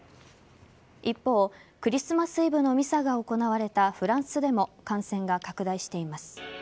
一方クリスマスイブのミサが行われたフランスでも感染が拡大しています。